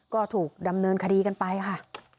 ก็ถูกดำเนินคดีกันไปค่ะ